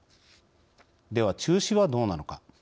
では、中止はどうなのか。